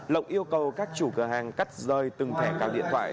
lộc yêu cầu các chủ cửa hàng cắt rơi từng thẻ cào điện thoại